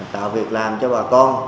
tạo việc làm cho bà con